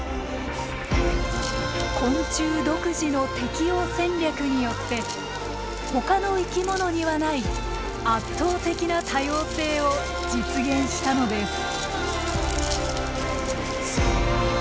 昆虫独自の適応戦略によってほかの生き物にはない圧倒的な多様性を実現したのです。